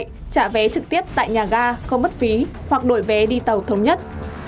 trả vé trực tiếp tại nhà ga không mất phí hoặc đổi vé đi tàu thống nhất